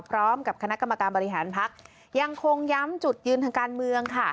พร้อมกับคณะกรรมการบริหารพักยังคงย้ำจุดยืนทางการเมืองค่ะ